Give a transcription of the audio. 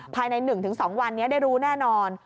ภายใน๑๒วันนี้ได้รู้แน่นอน